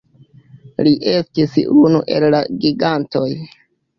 Li estis unu el la gigantoj.